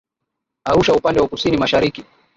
Arusha upande wa kusini mashariki